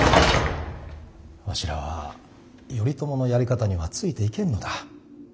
わしらは頼朝のやり方にはついていけんのだ。